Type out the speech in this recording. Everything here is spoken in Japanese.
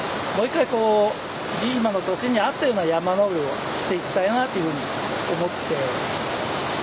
もう一回今の年に合ったような山登りをしていきたいなというふうに思って。